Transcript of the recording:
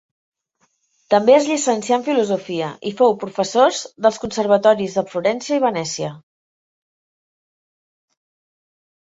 També es llicencià en filosofia i fou professors dels conservatoris de Florència i Venècia.